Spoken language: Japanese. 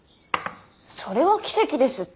それは奇跡ですって。